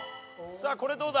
さあこれどうだ？